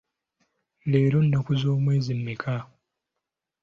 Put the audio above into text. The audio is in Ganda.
Leero nnaku z'omwezi mmeka?